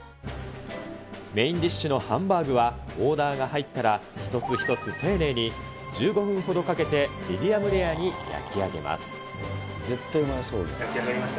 メインディッシュのハンバーグは、オーダーが入ったら、一つ一つ丁寧に１５分ほどかけて、焼き上がりました。